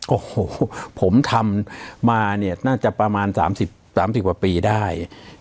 โอ้โหผมทำมาน่าจะประมาณ๓๐๓๐ปีได้